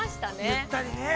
◆ゆったりね。